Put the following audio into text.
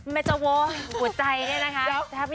แม่เจ้าโวหัวใจเนี่ยนะคะ